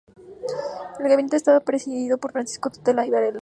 El gabinete estaba presidido por Francisco Tudela y Varela.